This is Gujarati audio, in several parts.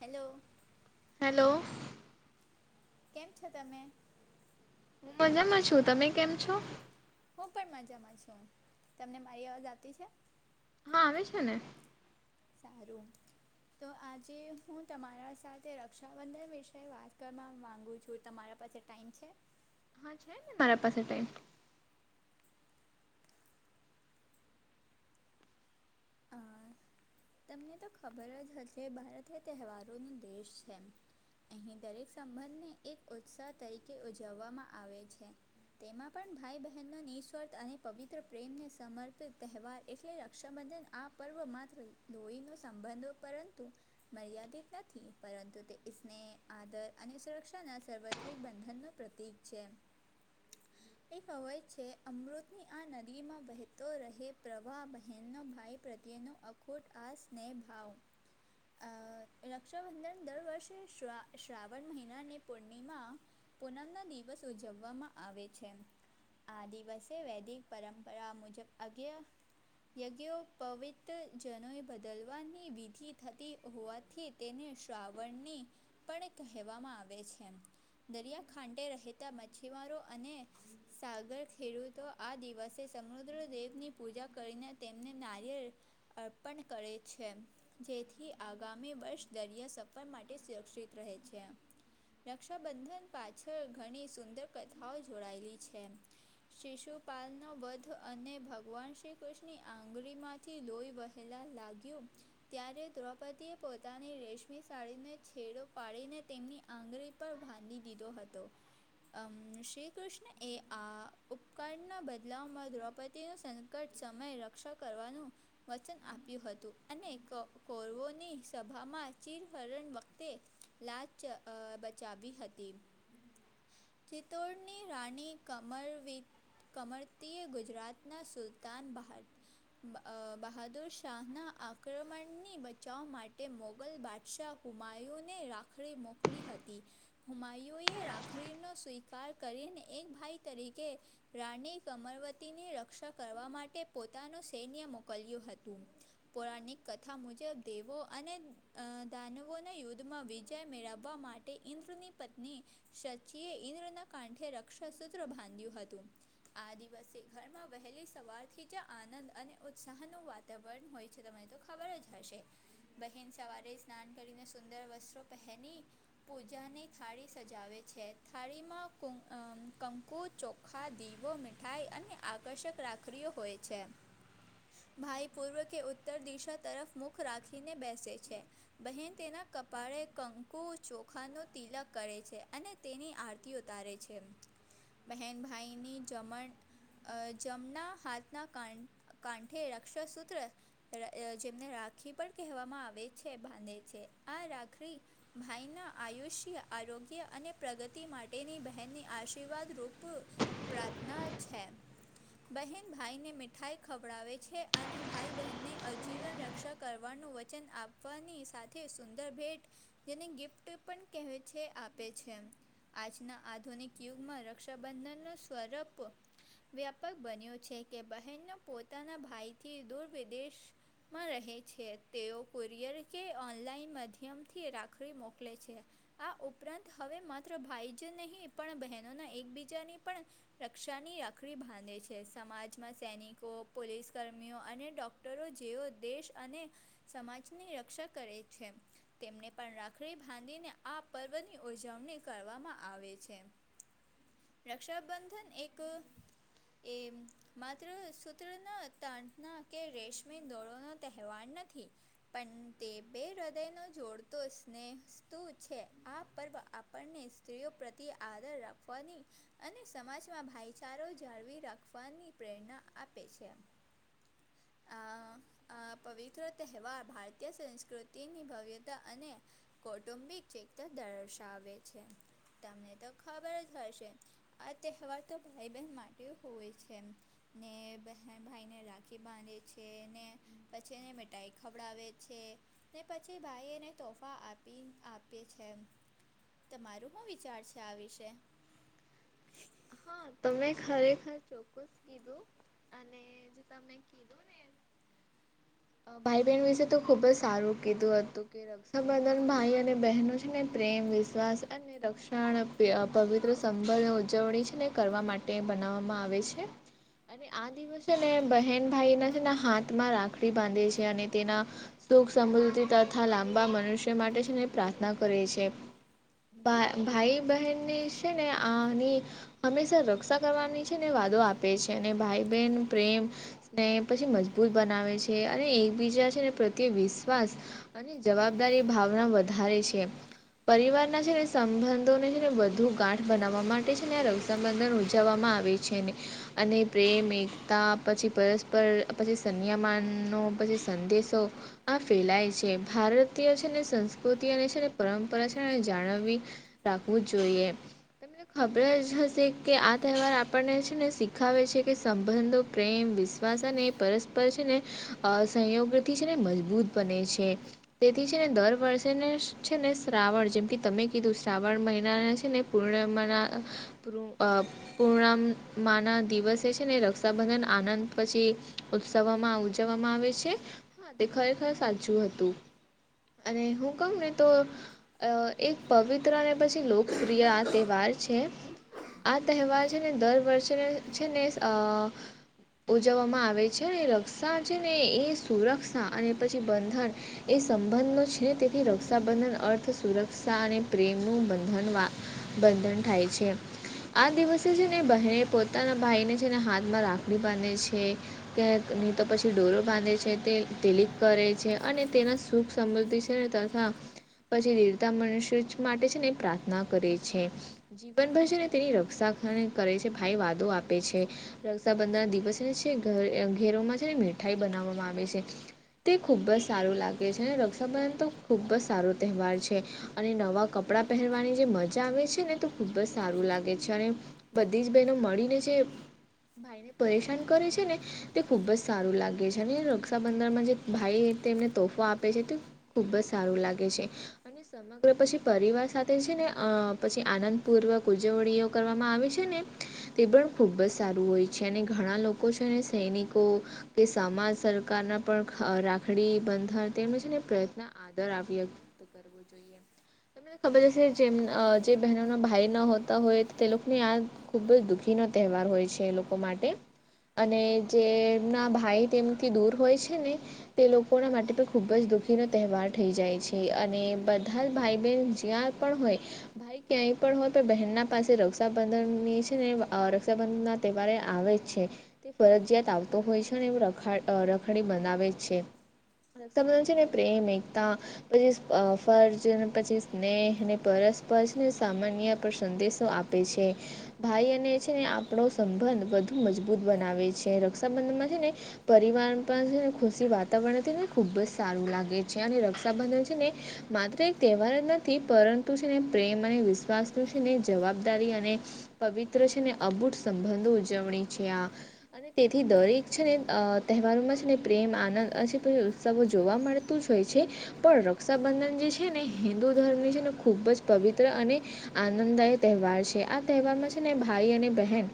Hello hello. કેમ છો તમે? મજામાં છું. તમે કેમ છો? હું પણ મજામાં છું તમને મારી અવાજ આવતી છે. હા આવે છે ને સારું તો આજે હું તમારા સાથે રક્ષાબંધન વિશે વાત કરવા માગુ છું તમારા પાસે ટાઈમ છે. હા છે ને મારા પાસે ટાઈમ અ તમને તો ખબર હશે ભારત એ તહેવારોનો દેશ છે. અહીં દરેક સંબંધને એક ઉત્સાહ તરીકે ઉજવવામાં આવે છે. તેમાં પણ ભાઈ બહેનનો નિઃસ્વર્થ અને પવિત્ર પ્રેમને સમર્પિત તહેવાર એટલે રક્ષાબંધન આ પર્વ માત્ર લોહીનો સંબંધ હો પરંતુ મર્યાદિત નથી પરંતુ તે ઇસ્નેહ આદર અને સુરક્ષાના સર્વત્રિક બંધનનો પ્ર તીક છે. [unintelligible] [inaudible] એ અવય છે અમૃતની આ નદીમાં વહેતો રહે પ્રવાાહ બહેનનો ભાઈ પ્રત્યેનો અખોટ આ સ્નેહભાવ અ રક્ષાબંધન દર વર્ષે શ્ર શ્રાવણ મહિનાની પૂર્ણિમા પૂનમના દિવસ ઉજવવામાં આવે છે. આ દિવસે વૈદિક પરંપરા મુજબ અજ્ઞ યજ્ઞો પવિત્ર જનોઈ બદલવાની વિધિ થતી હોવાથી તેને શ્રાવણની પણ કહેવામાં આવે છે. દરિયા ખાંડે રહેતા મછીવારો અને સાગર ખેડૂત તો આ દિવસે સમુદ્ર દેવની પૂજા કરીને તેમને નારિયેળ અર્પણ કરે છે. જેથી આગામી વર્ષ દરિયા સફર માટે સુરક્ષિત રહે છે. રક્ષાબંધન પાછળ ઘણી સુંદર કથાઓ જોડાયેલી છે. શિશુપાલનો વધ અને ભગવાન શ્રી કૃષ્ની આમ ઉગલી માંથી લોહી વહેલા લાગ્યું ત્યારે દ્રૌપદીએ પોતાની રેશમી સાડીને છેડો પાડીને તેમની આંગળી પર ભાધી દીધો હતો. અમ શ્રી કૃષ્ણ એ આ ઉપકારના બદલાવમાં દ્રૌપદીનું સ સંકટ સમય રક્ષા કરવાનું વચન આપ્યું હતું અને કો કોરવોની સભામાં ચિરહરણ વખતે લાંચ અ બચાવી હતી. [inaudible] ચિત્તોડની રાણી કમર વિદ કમરતીએ ગુજરાતનાં સુલતાન બહાર મ બ અ બહાદુર શાહના આક્રમણની બચાવ માટે મોગલ બાદશાહ હુમાઉ ને રાખડી મોકલી હતી. હુમાયુએ રાખડીનો સ્વીકાર કરીને એક ભાઈ તરીકે રાણી કમરવતીની રક્ષા કરવા માટે પોતાનું સૈન્ય મોકલ્યું હતું. પૌરાણિક કથા મુજબ દેવો અને અ દાનવોના યુદ્ધમાં વિજય મેળવવા માટે તે ઇન્દ્રની પત્ની શચીએ ઇન્દ્રના કાંઠે રક્ષા સૂત્ર બાંધ્યું હતું. આ દિવસે ઘરમાં વહેલી સવારથી જ આનંદ અને ઉત્સાહનું વાતાવરણ હોય છે તમને તો ખબર જ હશે. બહેન સવારે સ્નાન કરીને સુંદર વસ્ત્રો પહેની પૂજાની થાળી સજાવે છે થાળીમાં કુમ અ કંકુ ચોખા ચોખા, દીવો, મીઠાઈ અને આકર્ષક રાખરીઓ હોય છે. ભાઈ પૂર્વ કે ઉત્તર દિશા તરફ મુખ રાખીને બેસે છે. બહેન તેના કપાળે કંકુ, ચોખા નો તિલક કરે છે અને તેની આરતી ઉતારે છે. બહેન ભાઈની જમટ અ જમણા હાથના કાંદ કાંઠે રક્ષાસૂત્ર ર અ જેમને રાખી પણ કહેવામાં આવે છે બાંધે છે. આ રાખડી ભાઈના આયુષ્ય, આરોગ્ય અને પ્રગતિ માટેની બહેનની આશીર્વાદ રૂપ પ્રાર્થના છે બહેન ભાઈને મિઠાઈ ખભડાવે છે અને ભાઈ બહેનને અજીવન રક્ષા કરવાનું વચન આપ તોહફાની સાથે સુંદર ભેટ જેને ગિફ્ટ પણ કહે છે આપે છે. આજના આધુનિક યુગમાં રક્ષાબંધનનો સ્વરૂપ વ્યાપક બન્યો છે કે બહેનનુ પોતાના ભાઈથી દુર વિદેશ માં રહે છે તેઓ કુરિયર કે ઓનલાઈન માધ્યમથી રાખડી મોકલે છે. આ ઉપરાંત હવે માત્ર ભાઈ જ નહીં પણ બહેનોના એકબીજાની પણ રક્ષાની રાખડી બાંધે છે સમાજમાં સૈનિ કો પોલીસ કર્મીઓ અને ડૉક્ટરો જેઓ દેશ અને સમાજની રક્ષા કરે છે. તેમને પણ રાખડી બાંધીને આ પર્વની ઉજવણી કરવામાં આવે છે. [inaudible] રક્ષાબંધન એક એ માત્ર સુત સૂત્રના તારના કે રેશમી દોરો નો તહેવાર નથી. પણ તે બે હૃદયનો જોડતો સ્નેસ્તુ છે આ પર્વ આપણને સ્ત્રીઓ પ્રતિ આદર રાખવાની અને સમાજમાં ભાઈચારો જાળવી રાખવાની પ્રેરણા આપે છે. અ આ પવિત્ર તહેવાર ભારતીય સંસ્કૃતિની ભવ્યતા અને કૌટુંબિક ચેતા દર્શાવે છે. તમને તો ખબર જ હશે આ તહેવાર તો ભાઈબહેન માટે હોય છે. ને બહેન ભાઈને રાખડી બાંધે છે ને પછી એને મીઠાઈ ખવડાવે છે. તે પછી ભાઈ એને તોફા આપી આપે છે એમ. તમારું હું વિચાર છે આ વિશે? હા તમે ખરેખર ચોકસ કીધું અને હું તા તમે કીધું ને અહ ભાઈ બહેન વિશે તો ખુબ જ સારું કીધું હતું કે રક્ષાબંધન ભાઈ અને બહેનો છે ને પ્રેમ વિશ્વાસ અને તે રક્ષન પી અહ પવિત્ર સંભંધ ઉજવણી છે. ને કરવા માટે બનાવવામાં આવે છે. અને આ દિવસ છે ને બહેન ભાઈના છે ને હાથમાં રાખડી બાંધે છે અને તેના સુખ, સમૃદ્ધિ તથા લાંબા મનુષ્ય માટે છે ને પ્રાર્થના કરે છે. ભા ભાઈ બહેનને છે ને આની હંમેશા રક્ષા કરવાની છે ને વાદો આપે છે અને ભાઈ બહેન પ્રેમ ને પછી મજબૂત બનાવે છે અને એકબીજા છેને પ્રત્યે વિશ્વાસ અને જવાબદારી ભાવના વધારે છે. પરિવારના છે ને સંબંધોને છે ને બધું ગાંઠ બનાવવા માટે છે ને આ ર સંબંધોને ઉજવવામાં આવે છે ને. અને પ્રેમ એકતા પછી પરસ્પર પછી સંન્યામાનનો પછી સંદેશો આ ફેલાય છે ભારતીય છે ને સંસ્કૃતિ અને છે પરંપરા છેને જાળવવી રાખવું જ જોઈએ તમને ખબર જ હ શે કે આ તહેવાર આપણને છે ને શીખાવે છે કે સંબંધો પ્રેમ વિશ્વાસ અને પરસ્ પર છે ને અહ સંયોગોથી છે ને મજબૂત બને છે. તેથી છે ને દર વર્ષેને છે ને શ્રાવણ જેમ કે તમે કીધું શ્રાવણ મહિનાના છે ને પૂર્ણ મના પ્રુ અહ પૂર્ણમાના દિવસે છે ને રક્ષાબંધન આનંદ પછી ઉત્સવામાં ઉજવવામાં આવે છે. હા તે ખરેખર સાચ્ચું હતું. અને હું કઉ ને તો અહ એક પવિત્ર અને પછી લોકપ્રિય આ તહેવાર છે. આ તહેવાર છે ને દર વર્ષેને છે ને અહ ઉજવવામાં આવે છે અને રક્ષા છે ને એ સુરક્ષા અને પછી બંધન એ સંબંધનુ છે. તેથી રક્ષાબંધન અર્થ સુરક્ષા અને પ્રેમનું બંધન વા બંધન થાય છે. આ દિવસે છે ને બહેન પોતાના ભાઈને છેને હાથમાં રાખડી બાંધે છે. તે ની તો પછી ડોરો બાંધે છે. તે તિલીક કરે છે અને તેના સુખ સમૃદ્ધિ છે ને ત હા પછી દેવતા મનુષ્ય જ માટે છે ને પ્રાર્થના કરે છે. જીવનભર છે તેની રક્ષા કરની કરે છે ભાઈ વાદો આપે છે. રક્ષાબંધનના દિવસે છે ઘર ઘેરોમાં છે ને મીઠાઈ બનાવવામાં આવે છે. તો એ ખુબજ સારું લાગે છે અને રક્ષાબંધન તો ખૂબ જ સારો તહેવાર છે. અને નવા કપડાં પહેરવાની જે મજા આવે છે ને તો ખુબ જ સારું લાગ તે છ ને બધી જ બહેનો મળીને જે ભાઈને પરેશાન કરે છે ને તે ખુબ જ સારું લાગે છે અને રક્ષાબંધનમાં જે ભાઈ તેમને તોફો આપે છે તું ખુબ જ સારું લાગે છે. અને જે સમગ્ર પછી પરિવાર સાથે છે ને અહ પછી આનંદપૂર્વક ઉજ વણીયો ઓ કરવામાં આવે છે ને તે પણ ખૂબ જ સારું હોય છે અને ઘણાં લોક કો છે ને સૈનિકો કે સામાજ સરકારના પણ ખા રાખડી બંધાય તેમ એ છેને પ્રયત્ન આદર ‌આ વ્યક્ત કરવો જોઈએ. ને ખબર જશે જેમ અહ જે બહેનોનો ભાઈ ન હોત હોય તે લોકને આ ખૂબ જ દુઃખીનો તહેવાર હોય છે એ લોકો માટે. અને જે એમના ભાઈ તેમથી દૂર હોય છે ને તે લોકોના માટે પણ ખૂબ જ દુઃખીનો તહેવાર ઠઈ જાય છે અને બધા જ ભાઈ બહેન જ્યાં પણ હોય ભાઈ ક્યાંય પણ હોય પણ બહેનના પાસે રક્ષાબંધનની છે ને અહ રક્ષાબંધનના તહેવારે આવે જ છે. તે ફરજયાત આવતો હોય છે ને એ રખા અહ રખાડી બંધાવે જ છે. અહ તમારે છે ને પ્રેમ એકતા પછી અહ અને ફર્જ પછી સ્નેહ ને પરસ્પર છેચી ને સામાન્ય પર સંદેશ શો આપે છે. ભાઈ અને છે ને આપડો સંબંધ વધુ મજબૂત બનાવે છે રક્ષાબંધનમાં છે ને પરિવાર પણ છે ને ખુશી વાતાવરણથી ને ખૂબ જ સારું લાગે છે અને રક્ષાબંધન છે ને માત્ર એક તહેવાર જ નથી પરંતુ છે ને પ્રેમ અને વિશ્વાસ નું છે ને જવાબદારી અને પવિત્ર છે ને અદભુત સંબંધો ઉજવણી છે આ અને તેથી દરેક છે ને અહ તહેવારોમાં છે ને પ્રેમ આનંદ અજી પણ ઉત્સવો જોવા મળતુ જ હોય છે. પણ રક્ષાબંધન જે છે ને હિન્દુ ધર્મની છે ને ખૂબ જ પવિત્ર અને આનંદદાયક તહેવાર છે. આ તહેવારમાં છે ને ભાઈ અને બહેન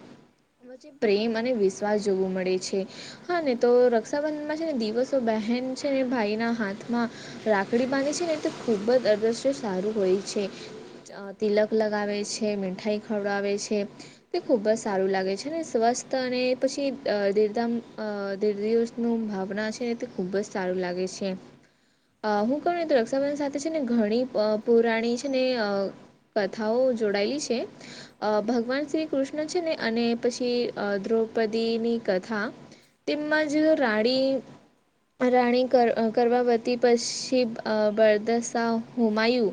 એમાં જે પ્રેમ અને વિશ્વાસ જોવો મળે છે. હા ને તો રક્ષાબંધનમાં છે ને દિવસો બહેન છે ને ભાઈના હાથમાં રાખડી બાંધ છે ને તે ખૂબ જ અદશ્ય સારું હોય છે. ચ અહ તિલક લગાવે છે મીઠાઈ ખવડાવે છે. તે ખુબ જ સારું લાગે છે ને સ્વસ્થ અને પછી અહ દીધામ અહ દી દિવ નું ભાવના છે ને તે ખુબ જ સારું લાગે છે. અહ હું કઉ તો રક્ષાબંધન સાથે છે ને ઘણી અહ પુરાણી છે ને અહ કથાઓ જોડાયેલી છે. અહ ભગવાન શ્રી કૃષ્ણ છે ને અને પછી અહ દ્રૌપદી ની કથા તેમજ રાડી પર રાણી કર અહ કરવાવતી પછી અહ બળદશા હુમાયું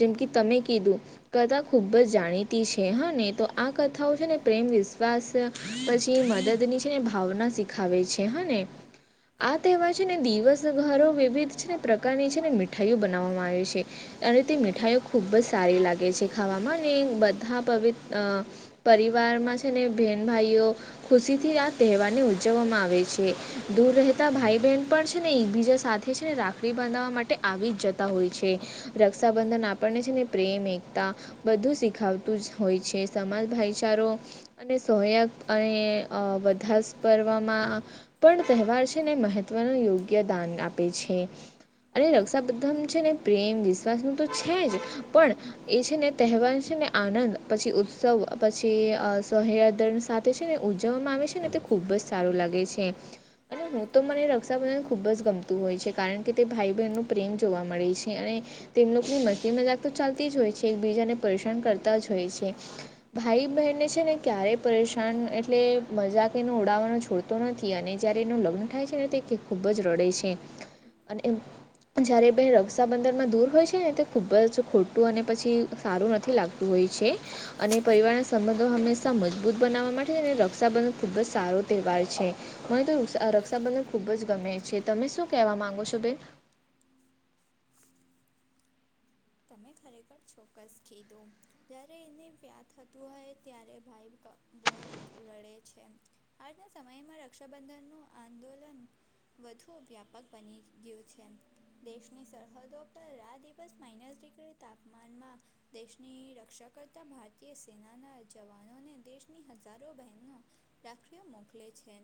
જેમ કે તમે કીધું કદા ખૂબ જ જાણીતી છે હા ને તો આ કથાઓ છે ને પ્રેમ વિશ્વાસ પછી મદદની છે ને ભાવના શીખાવે છે હ ને આ તહેવાર છે ને દિવસ ઘરો વિવિધ છે પ્રકારની છેને મીઠાઈઓ બનાવવામાં આવે છે. અને તે મીઠાઈઓ ખુબ જ સારી લાગે છે ખાવામાં અને બધા પવિત અહ પરિવાર માં છે ને બેન ભાઈઓ ખુશી થી આ તહેવારને ઉજવવામાં આવે છે દૂર રહેતા ભાઈ બહેન પણ છે એકબીજા સાથે જે છે ને રાખડી બાંધવવા માટે આવી જ જતા હોય છે. રક્ષાબંધન આપણને છે ને પ્રેમ એકતા બધું શીખાવતું જ હોય છે. સમાજ ભાઈચારો અને સોયાગ અને વધાસ કરવામાં પણ તહેવાર છે ને મહત્વનું યોગ્ય દાન આપે છે. અને રક્ષાબંધન છે ને પ્રેમ વિશ્વાસ નું તો છે જ પણ એ છે ને તહેવાર છે ને, આનંદ પછી ઉત્સવ પછી સોહયાદ સાથે છે ને, ઉજવવામાં આવે છે. ને તે ખુબ જ સારું લાગે છે. અને હું તો મને ખુબ જ ગમતું હોય છે, કારણ કે તે ભાઈ-બહેન ન પ્રેમ જોવા મળે છે, અને તેમ લોકોની મસ્તી મજાક તો ચાલતી જ હોય છે, એકબીજાને પરેશાન કરતા જ હોય છે. ભાઈ બહેનને છે ને, ક્યારેય પરેશાન એટલે મજાક એનો ઉઠાવવો છોડ તો નથી, અને જયારે એનું લગ્ન થાય છે ને, તે ખૂબ જ રડે છે. અને જ્યારે બે રક્ષાબંધનમાં દૂર હોય છે ને, તો ખૂબ જ ખોટું અને પછી સારું નથી લાગતું હોય છે, અને પરિવારના સંબંધો હંમેશા મજબૂત બનાવવા માટે હેને રક્ષાબંધન ખુબ જ સારો તહેવાર છે, મને તો રક્ષાબંધન ખુબ જ ગમે છે, તમે શું કેહેવા માંગો છો બેન? તમે ખરેખર ચોક્કસ કીધું, જ્યારે એને વ્યાત થતું હોય, ત્યારે ભાઈ બહોત રડે છે, હાલના સમયમાં રક્ષાબંધનનું આંદોલન વધુ વ્યાપક બની ગયું છે. દેશની સરહદો પર રાત દિવસ માઇનસ ડિગ્રી તાપમાનમાં દેશની રક્ષા કરતા ભારતીય સેનાના જવાનોને દેશની હજારો બહેનો રાખડીઓ મોકલે છે,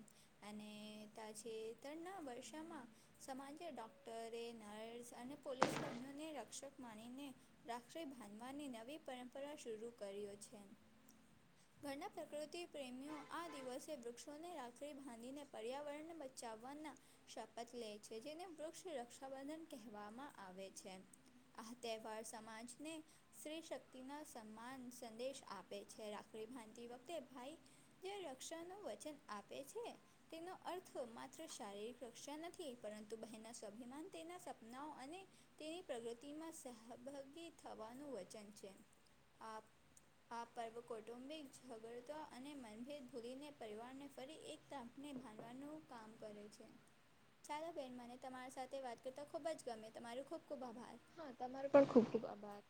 અને તાજેતરના વર્ષામાં સમાજ, ડોક્ટરે, નર્સ અને પોલીસ કર્મીઓને રક્ષક માણીને રાક્ષરી બાંધવાની નવી પરંપરા શરૂ કર્યો છે. હ. ઘણા પ્રકૃતિ પ્રેમીઓ આ દિવસે વૃક્ષોને રાખડી બાંધીને, પર્યાવરણને બચાવવાના શપથ લે છે, જેને વૃક્ષ રક્ષાબંધન કહેવામાં આવે છે. આ તહેવાર સમાજને સ્ત્રી શક્તિ ના સમાન સંદેશ આપે છે, રાખડી બાંધતી વખતે ભાઈ જે રક્ષાનું વચન આપે છે. તેનો અર્થ માત્ર શારીરિક રક્ષા નથી, પરંતુ બહેનના સ્વાભિમાન તેના સપનાઓ અને તેની પ્રગતિમાં સહભાગી થવાનું વચન છે, આપ કૌટુંબિક ઝઘડતા અને મનભેદ ભૂલીને પરિવારને ફરી એક તંફને ભંધવાનું કામ કરે છે. ચાલો બેન, મને તમારી સાથે વાત કરતાં ખૂબ જ ગમે તમારો ખૂબ ખૂબ આભાર. હા, તમારો પણ ખુબ ખુબ આભાર.